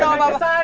gua gak tau apa apa